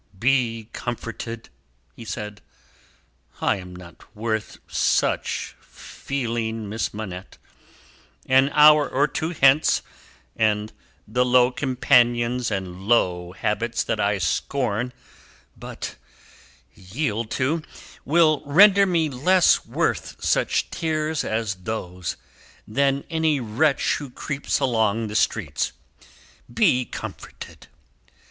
"Be comforted!" he said, "I am not worth such feeling, Miss Manette. An hour or two hence, and the low companions and low habits that I scorn but yield to, will render me less worth such tears as those, than any wretch who creeps along the streets. Be comforted!